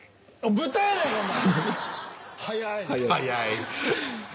豚やないかお前。